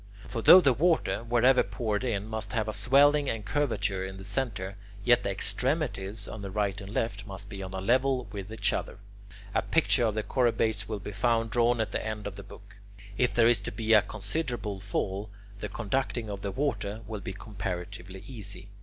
For though the water, wherever poured in, must have a swelling and curvature in the centre, yet the extremities on the right and left must be on a level with each other. A picture of the chorobates will be found drawn at the end of the book. If there is to be a considerable fall, the conducting of the water will be comparatively easy.